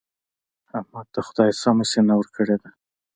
احمد ته خدای سمه سینه ورکړې ده.